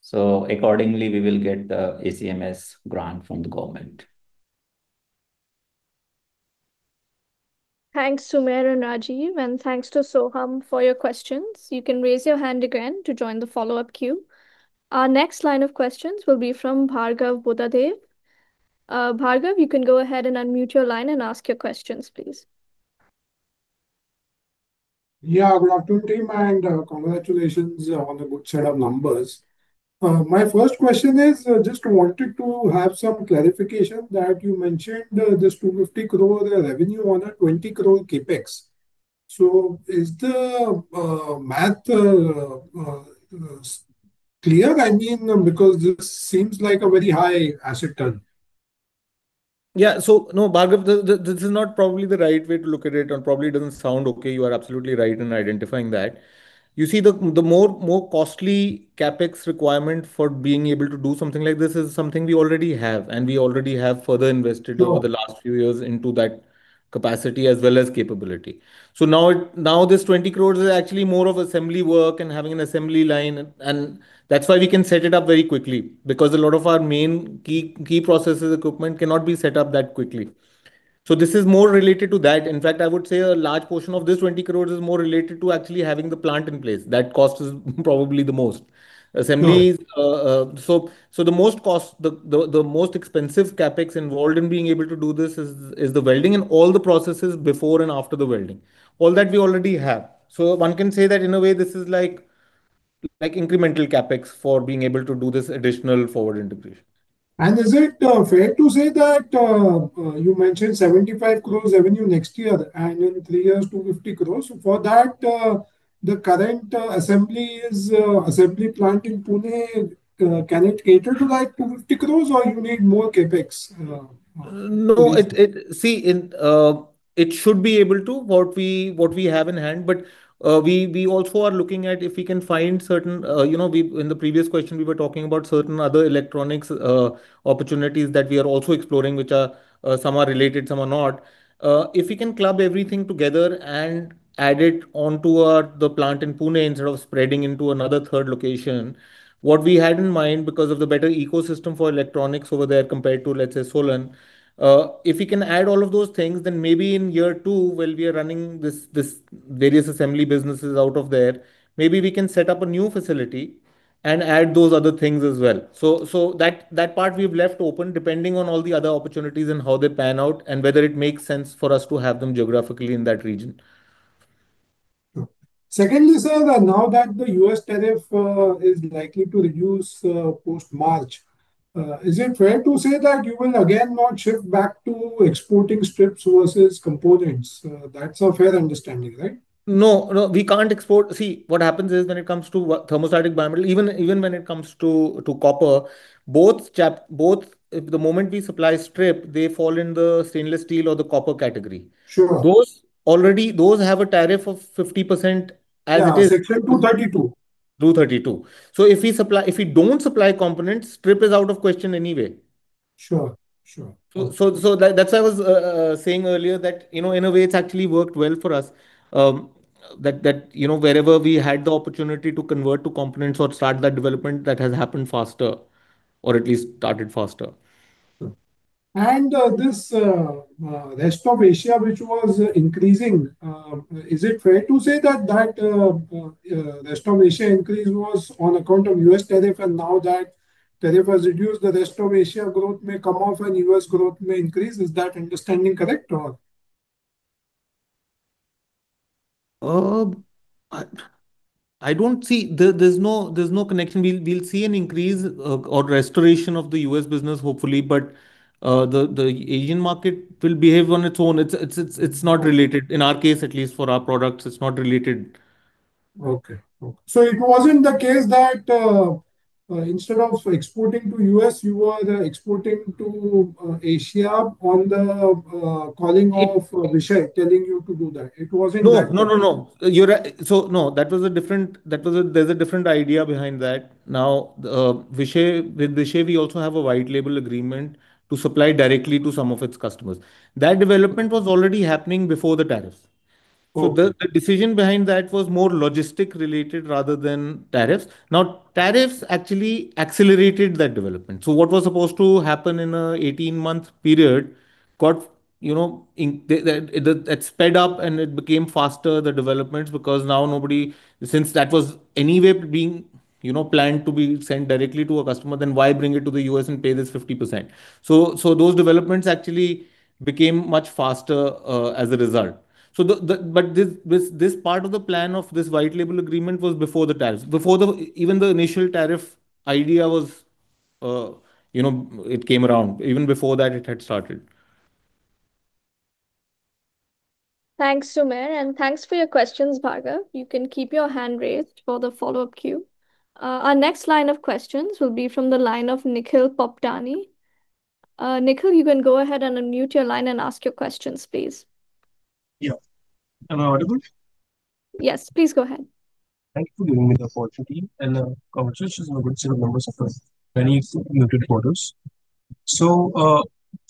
So accordingly, we will get the ACMS grant from the government. Thanks, Sumer and Rajeev, and thanks to Soham for your questions. You can raise your hand again to join the follow-up queue. Our next line of questions will be from Bhargav Buddhadev. Bhargav, you can go ahead and unmute your line and ask your questions, please. Yeah, good afternoon, team, and congratulations on the good set of numbers. My first question is, just wanted to have some clarification that you mentioned this 250 crore revenue on a 20 crore CapEx. So, is the math clear? I mean, because this seems like a very high asset turn. Yeah. So, no, Bhargav, this is not probably the right way to look at it and probably doesn't sound okay. You are absolutely right in identifying that. You see, the more costly CapEx requirement for being able to do something like this is something we already have, and we already have further invested over the last few years into that capacity as well as capability. So now this 20 crore is actually more of assembly work and having an assembly line, and that's why we can set it up very quickly because a lot of our main key processes equipment cannot be set up that quickly. So this is more related to that. In fact, I would say a large portion of this 20 crore is more related to actually having the plant in place. That cost is probably the most. Assemblies, so the most costly, the most expensive CapEx involved in being able to do this is the welding and all the processes before and after the welding. All that we already have. So one can say that in a way, this is like incremental CapEx for being able to do this additional forward integration. Is it fair to say that you mentioned 75 crores revenue next year and in three years, 250 crores? For that, the current assembly plant in Pune, can it cater to that 250 crores or you need more CapEx? No, it should be able to what we have in hand. But, we also are looking at if we can find certain, you know, in the previous question, we were talking about certain other electronics opportunities that we are also exploring which are, some are related, some are not. If we can club everything together and add it onto our plant in Pune instead of spreading into another third location, what we had in mind because of the better ecosystem for electronics over there compared to, let's say, Solan, if we can add all of those things, then maybe in year two, while we are running this various assembly businesses out of there, maybe we can set up a new facility and add those other things as well. So that part we've left open depending on all the other opportunities and how they pan out and whether it makes sense for us to have them geographically in that region. Secondly, sir, now that the U.S. tariff is likely to reduce post-March, is it fair to say that you will again not shift back to exporting strips versus components? That's a fair understanding, right? No, no. We can't export, see. What happens is when it comes to thermostatic bimetal, even when it comes to copper, both the moment we supply strip, they fall in the stainless steel or the copper category. Sure. Those already have a tariff of 50% as it is. Yeah, Section 232. If we don't supply components, strip is out of question anyway. Sure. Sure. So, that's why I was saying earlier that, you know, in a way, it's actually worked well for us, that, you know, wherever we had the opportunity to convert to components or start that development, that has happened faster or at least started faster. This rest of Asia, which was increasing, is it fair to say that the rest of Asia increase was on account of U.S. tariff and now that tariff has reduced, the rest of Asia growth may come off and U.S. growth may increase? Is that understanding correct or? I don't see there's no connection. We'll see an increase, or restoration of the U.S. business, hopefully. But, the Asian market will behave on its own. It's not related. In our case, at least for our products, it's not related. Okay. Okay. So it wasn't the case that, instead of exporting to U.S., you were exporting to, Asia on the, calling of Vishay telling you to do that? It wasn't that? No, no, no, no. You're right. So no, that was different. There's a different idea behind that. Now, Vishay, with Vishay, we also have a white label agreement to supply directly to some of its customers. That development was already happening before the tariffs. So the decision behind that was more logistic-related rather than tariffs. Now, tariffs actually accelerated that development. So what was supposed to happen in an 18-month period got, you know, sped up and it became faster, the developments, because now nobody—since that was anyway being, you know, planned to be sent directly to a customer—then why bring it to the US and pay this 50%? So those developments actually became much faster, as a result. So, but this part of the plan of this white label agreement was before the tariffs, before even the initial tariff idea was, you know, it came around. Even before that, it had started. Thanks, Sumer. Thanks for your questions, Bhargav. You can keep your hand raised for the follow-up queue. Our next line of questions will be from the line of Nikhil Poptani. Nikhil, you can go ahead and unmute your line and ask your questions, please. Yeah. Am I audible? Yes. Please go ahead. Thank you for giving me the opportunity and the conversation with a good set of members of many muted quarters. So,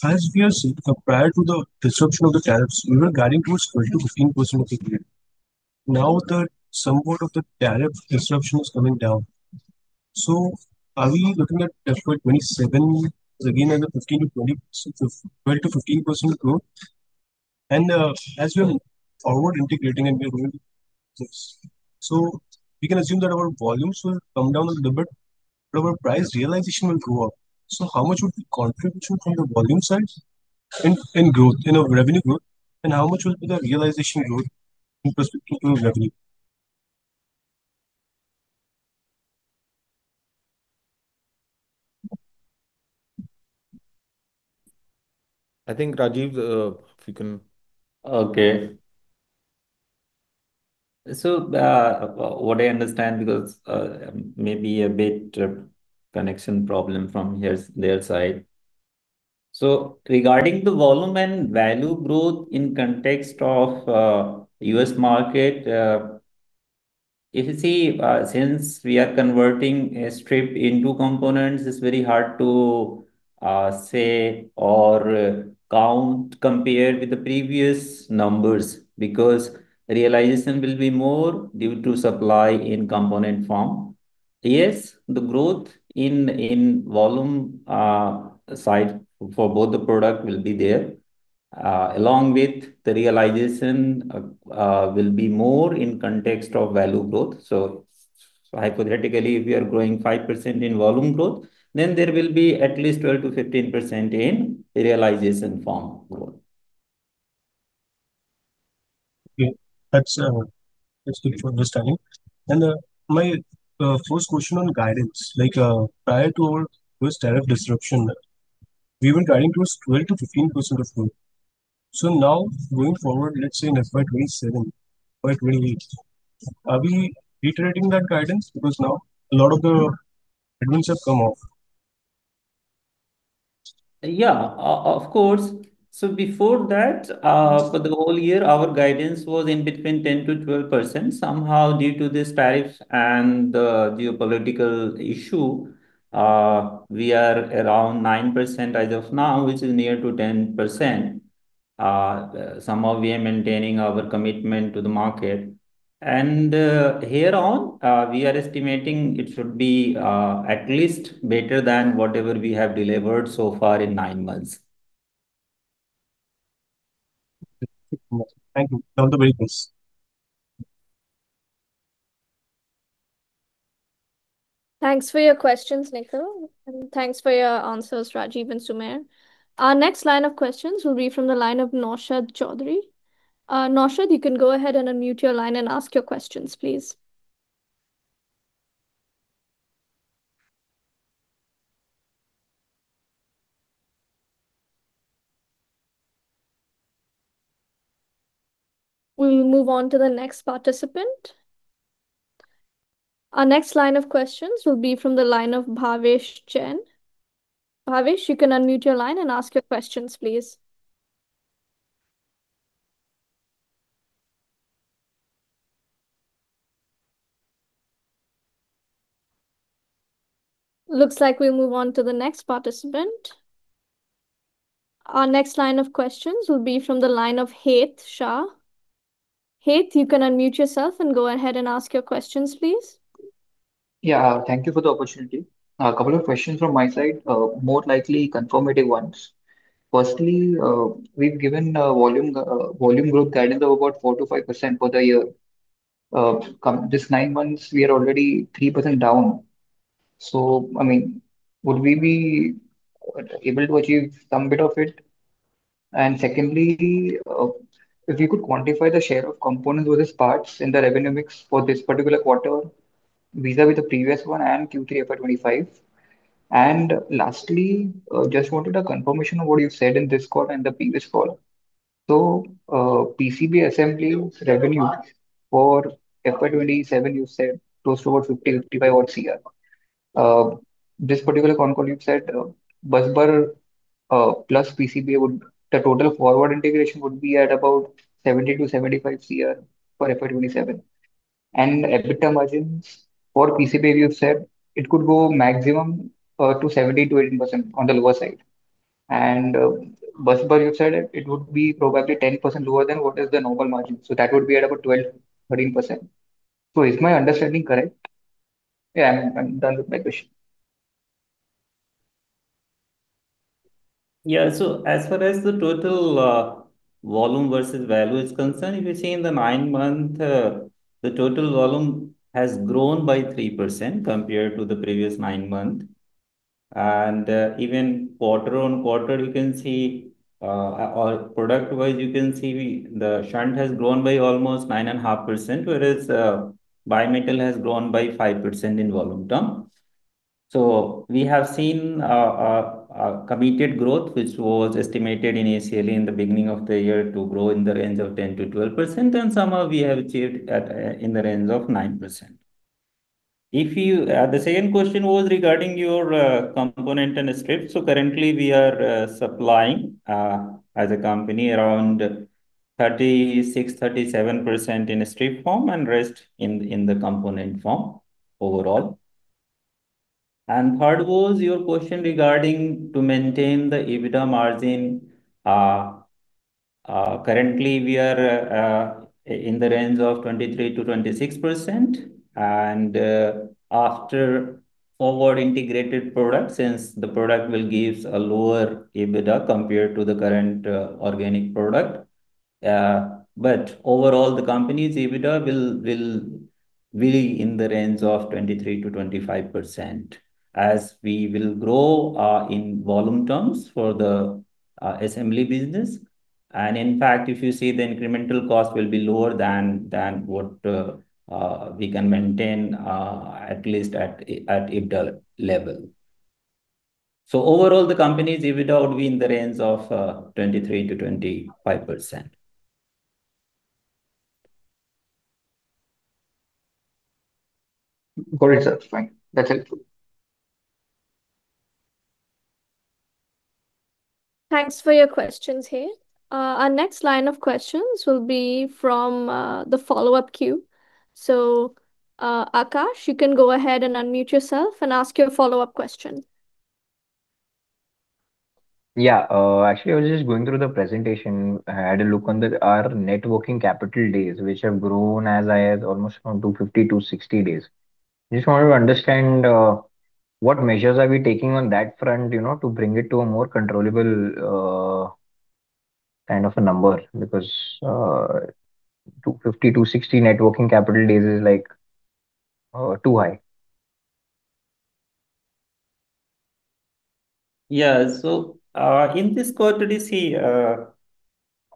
as we are seeing, prior to the disruption of the tariffs, we were guiding towards 12%-15% of the year. Now that somewhat of the tariff disruption is coming down, so are we looking at for 27 again as a 15%-20% 12%-15% growth? And, as we are forward integrating and we are going to this, so we can assume that our volumes will come down a little bit, but our price realization will go up. So how much would be contribution from the volume side in growth, in revenue growth, and how much will be the realization growth in perspective to revenue? I think Rajeev, if you can. Okay. So, what I understand, because maybe a bit connection problem from here, it's their side. So regarding the volume and value growth in context of U.S. market, if you see, since we are converting a strip into components, it's very hard to say or count compared with the previous numbers because realization will be more due to supply in component form. Yes, the growth in volume side for both the product will be there, along with the realization, will be more in context of value growth. So hypothetically, if we are growing 5% in volume growth, then there will be at least 12%-15% in realization form growth. Okay. That's, that's good for understanding. My first question on guidance, like, prior to our US tariff disruption, we were guiding towards 12%-15% of growth. So now going forward, let's say in FY 2027 or 2028, are we reiterating that guidance because now a lot of the advance have come off? Yeah, of course. So before that, for the whole year, our guidance was in between 10%-12%. Somehow, due to these tariffs and the geopolitical issue, we are around 9% as of now, which is near to 10%. Somehow we are maintaining our commitment to the market. And, hereon, we are estimating it should be, at least better than whatever we have delivered so far in nine months. Thank you. Sounds very good. Thanks for your questions, Nikhil. Thanks for your answers, Rajeev and Sumer. Our next line of questions will be from the line of Naushad Chaudhary. Naushad, you can go ahead and unmute your line and ask your questions, please. We will move on to the next participant. Our next line of questions will be from the line of Bhavesh Jain. Bhavesh, you can unmute your line and ask your questions, please. Looks like we'll move on to the next participant. Our next line of questions will be from the line of Het Shah. Het, you can unmute yourself and go ahead and ask your questions, please. Yeah, thank you for the opportunity. A couple of questions from my side, more likely confirmative ones. Firstly, we've given a volume growth guidance of about 4%-5% for the year. Over this nine months, we are already 3% down. So, I mean, would we be able to achieve some bit of it? And secondly, if we could quantify the share of components versus parts in the revenue mix for this particular quarter, vis-a-vis the previous one and Q3 FY 2025. And lastly, just wanted a confirmation of what you've said in this call and the previous call. So, PCB assembly revenue for FY 2027, you said, close to about 50-55 crore. This particular quarter you've said, Busbar plus PCB would the total forward integration would be at about 70-75 crore for FY 2027. And EBITDA margins for PCB, you've said, it could go maximum to 17%-18% on the lower side. And Busbar, you've said it would be probably 10% lower than what is the normal margin. So that would be at about 12%-13%. So is my understanding correct? Yeah, I'm I'm done with my question. Yeah. So as far as the total volume versus value is concerned, if you see in the nine-month, the total volume has grown by 3% compared to the previous nine-month. And even quarter-on-quarter, you can see, or product-wise, you can see the shunt has grown by almost 9.5%, whereas bimetal has grown by 5% in volume term. So we have seen committed growth, which was estimated initially in the beginning of the year to grow in the range of 10%-12%. And somehow we have achieved it in the range of 9%. If you the second question was regarding your component and strips. So currently, we are supplying, as a company, around 36-37% in strip form and rest in the component form overall. And third was your question regarding to maintain the EBITDA margin. Currently, we are in the range of 23%-26%. After forward integrated product, since the product will give a lower EBITDA compared to the current, organic product. But overall, the company's EBITDA will remain in the range of 23%-25% as we will grow, in volume terms for the, assembly business. And in fact, if you see the incremental cost will be lower than than what, we can maintain, at least at at EBITDA level. So overall, the company's EBITDA would be in the range of 23%-25%. Very satisfying. That's helpful. Thanks for your questions here. Our next line of questions will be from the follow-up queue. So, Akash, you can go ahead and unmute yourself and ask your follow-up question. Yeah. Actually, I was just going through the presentation, had a look at our net working capital days, which have grown as I said almost from 60 to 250 days. Just wanted to understand what measures are we taking on that front, you know, to bring it to a more controllable kind of a number because 250, 260 net working capital days is like too high. Yeah. So, in this quarter, you see,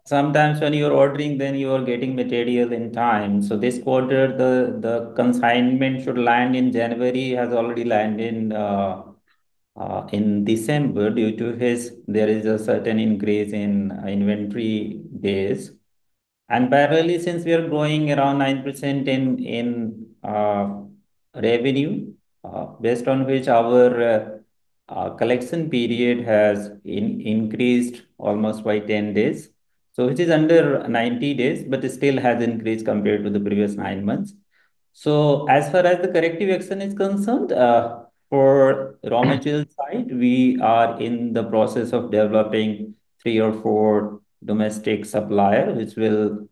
sometimes when you're ordering, then you are getting material in time. So this quarter, the consignment should land in January has already landed in December due to this, there is a certain increase in inventory days. And parallelly, since we are growing around 9% in revenue, based on which our collection period has increased almost by 10 days. So it is under 90 days, but it still has increased compared to the previous nine months. So as far as the corrective action is concerned, for raw materials side, we are in the process of developing three or four domestic suppliers, which will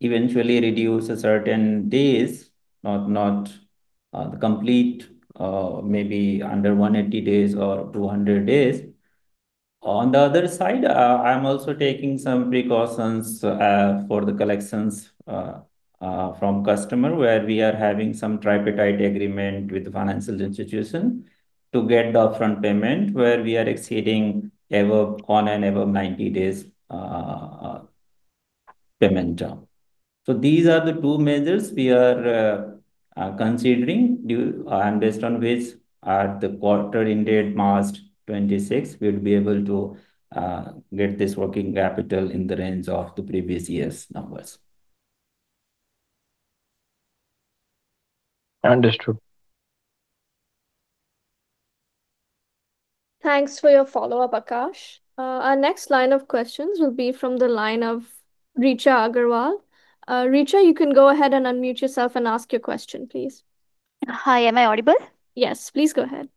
eventually reduce a certain days, not the complete, maybe under 180 days or 200 days. On the other side, I'm also taking some precautions for the collections from customers where we are having some tripartite agreement with the financial institution to get the upfront payment where we are exceeding over and above 90 days payment term. So these are the two measures we are considering due and based on which at the quarter ended March 26, we would be able to get this working capital in the range of the previous year's numbers. Understood. Thanks for your follow-up, Akash. Our next line of questions will be from the line of Richa Agarwal. Richa, you can go ahead and unmute yourself and ask your question, please. Hi. Am I audible? Yes. Please go ahead.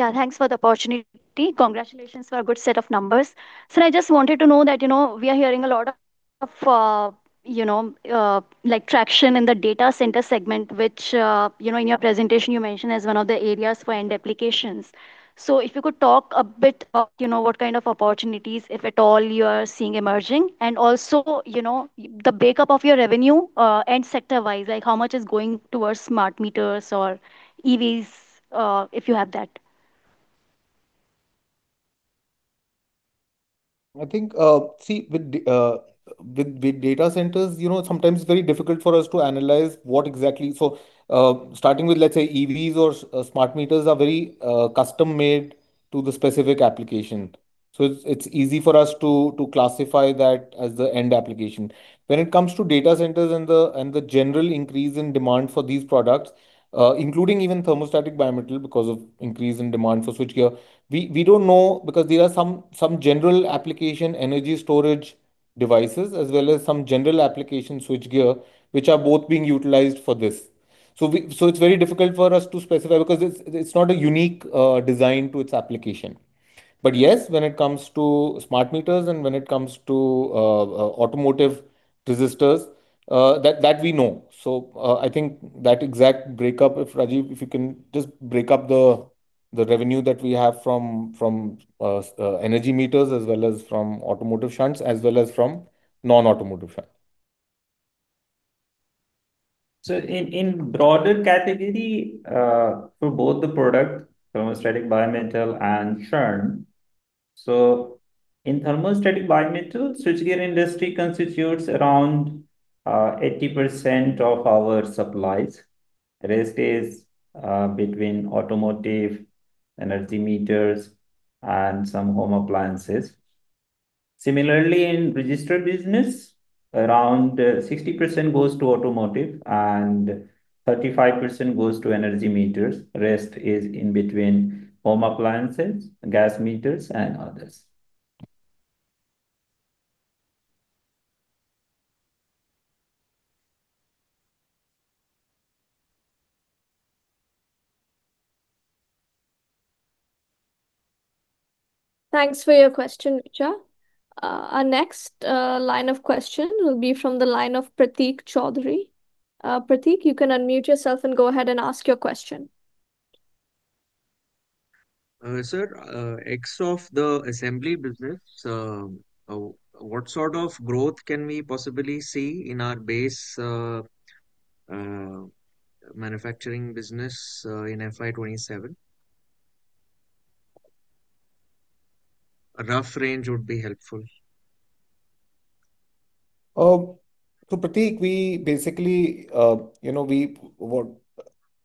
Yeah. Thanks for the opportunity. Congratulations for a good set of numbers. So I just wanted to know that, you know, we are hearing a lot of, you know, like traction in the data center segment, which, you know, in your presentation, you mentioned as one of the areas for end applications. So if you could talk a bit about, you know, what kind of opportunities, if at all, you are seeing emerging. And also, you know, the breakup of your revenue, end sector-wise, like how much is going towards smart meters or EVs, if you have that. I think, see, with data centers, you know, sometimes it's very difficult for us to analyze what exactly. So, starting with, let's say, EVs or smart meters are very custom-made to the specific application. So it's easy for us to classify that as the end application. When it comes to data centers and the general increase in demand for these products, including even thermostatic bimetal because of increase in demand for switchgear, we don't know because there are some general application energy storage devices as well as some general application switchgear, which are both being utilized for this. So it's very difficult for us to specify because it's not a unique design to its application. But yes, when it comes to smart meters and when it comes to automotive resistors, that we know. So, I think that exact breakup, if Rajeev, if you can just break up the revenue that we have from energy meters as well as from automotive shunts as well as from non-automotive shunts. In broader category, for both the product, thermostatic bimetal, and shunt. In thermostatic bimetal, switchgear industry constitutes around 80% of our supplies. The rest is between automotive, energy meters, and some home appliances. Similarly, in resistor business, around 60% goes to automotive and 35% goes to energy meters. The rest is in between home appliances, gas meters, and others. Thanks for your question, Richa. Our next, line of question will be from the line of Prateek Chaudhary. Prateek, you can unmute yourself and go ahead and ask your question. Sir, CapEx of the assembly business, what sort of growth can we possibly see in our base manufacturing business in FY 2027? A rough range would be helpful. So Prateek, we basically, you know,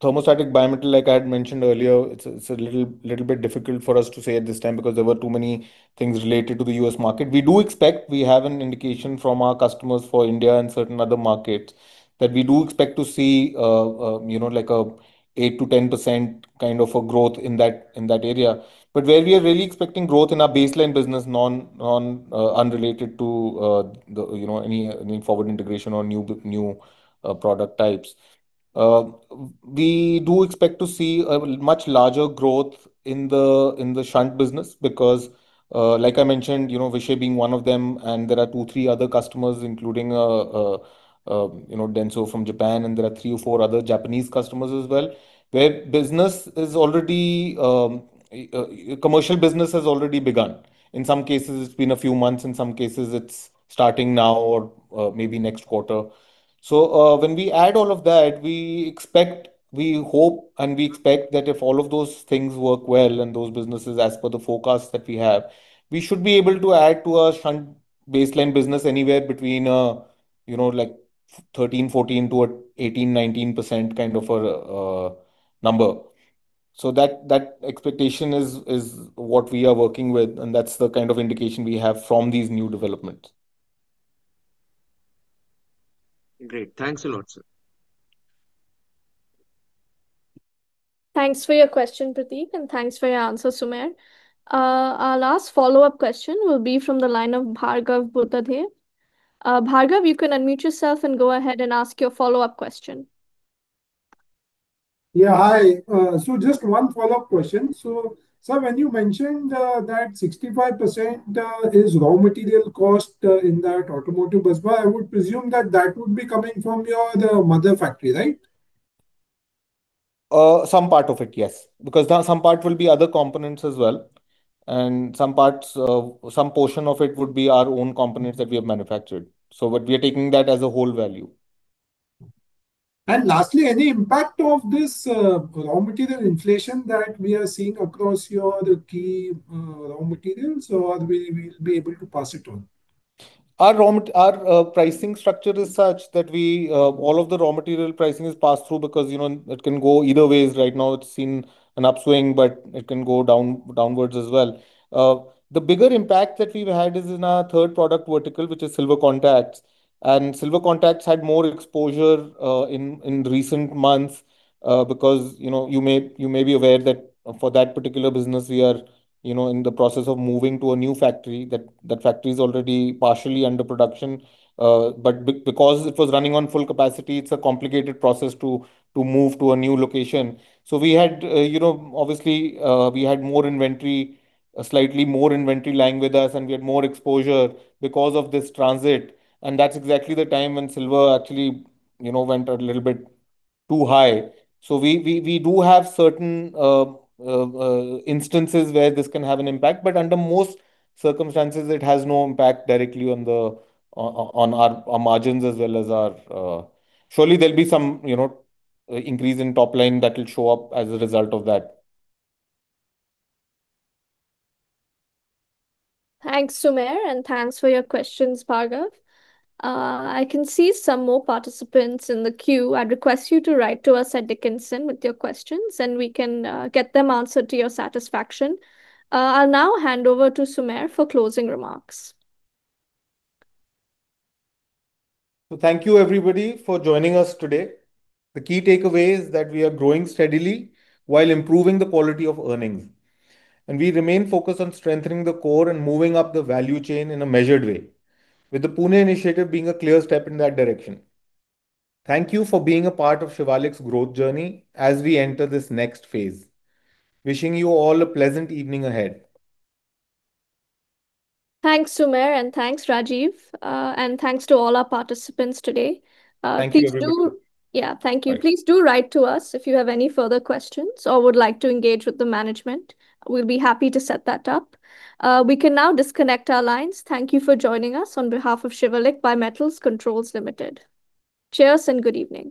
thermostatic bimetal, like I had mentioned earlier, it's a little bit difficult for us to say at this time because there were too many things related to the U.S. market. We do expect. We have an indication from our customers for India and certain other markets that we do expect to see, you know, like an 8%-10% kind of a growth in that area. But where we are really expecting growth in our baseline business, non-related to the, you know, any forward integration or new product types, we do expect to see a much larger growth in the shunt business because, like I mentioned, you know, Vishay being one of them, and there are two or three other customers, including, you know, Denso from Japan, and there are three or four other Japanese customers as well, where commercial business has already begun. In some cases, it's been a few months. In some cases, it's starting now or maybe next quarter. So, when we add all of that, we expect we hope and we expect that if all of those things work well and those businesses, as per the forecast that we have, we should be able to add to our shunt baseline business anywhere between, you know, like 13%-14% to 18%-19% kind of a number. So that that expectation is what we are working with, and that's the kind of indication we have from these new developments. Great. Thanks a lot, sir. Thanks for your question, Prateek, and thanks for your answer, Sumer. Our last follow-up question will be from the line of Bhargav Buddhadev. Bhargav, you can unmute yourself and go ahead and ask your follow-up question. Yeah. Hi. So just one follow-up question. So, sir, when you mentioned that 65% is raw material cost in that automotive busbar, I would presume that that would be coming from your mother factory, right? Some part of it, yes, because some part will be other components as well. Some parts, some portion of it would be our own components that we have manufactured. But we are taking that as a whole value. Lastly, any impact of this raw material inflation that we are seeing across your key raw materials, or we will be able to pass it on? Our raw material pricing structure is such that all of the raw material pricing is passed through because, you know, it can go either ways. Right now, it's seen an upswing, but it can go down downwards as well. The bigger impact that we've had is in our third product vertical, which is Silver Contacts. And Silver Contacts had more exposure in recent months, because, you know, you may be aware that for that particular business, we are, you know, in the process of moving to a new factory. That factory is already partially under production, but because it was running on full capacity, it's a complicated process to move to a new location. So we had, you know, obviously, we had more inventory, slightly more inventory lying with us, and we had more exposure because of this transit. And that's exactly the time when silver actually, you know, went a little bit too high. So we do have certain instances where this can have an impact. But under most circumstances, it has no impact directly on our margins as well as our. Surely, there'll be some, you know, increase in top line that'll show up as a result of that. Thanks, Sumer, and thanks for your questions, Bhargav. I can see some more participants in the queue. I'd request you to write to us at Dickenson with your questions, and we can, get them answered to your satisfaction. I'll now hand over to Sumer for closing remarks. Thank you, everybody, for joining us today. The key takeaway is that we are growing steadily while improving the quality of earnings. We remain focused on strengthening the core and moving up the value chain in a measured way, with the Pune initiative being a clear step in that direction. Thank you for being a part of Shivalik's growth journey as we enter this next phase. Wishing you all a pleasant evening ahead. Thanks, Sumer, and thanks, Rajeev. And thanks to all our participants today. Please do. Thank you, everybody. Yeah, thank you. Please do write to us if you have any further questions or would like to engage with the management. We'll be happy to set that up. We can now disconnect our lines. Thank you for joining us on behalf of Shivalik Bimetal Controls Limited. Cheers and good evening.